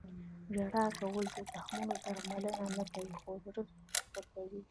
• ژړا کول د زخمونو درملنه نه کوي، خو زړه سپکوي.